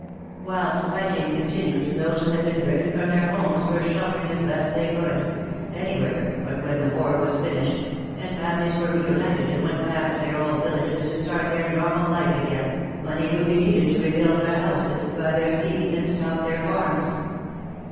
Whilst fighting con tinued, those who had been driven from their homes were sheltering as best they could — anywhere, but when the war was finished, and families were re united and went back to their old villages to start their normal life again, 156 WAR AND WOMEN money would be needed to rebuild their houses, buy their seeds, and stock their farms."